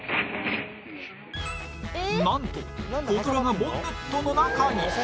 なんと、コ・ドラがボンネットの中に。